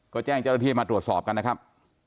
ก็แจ้งเจ้าหน้าที่ให้มาตรวจสอบกันนะครับ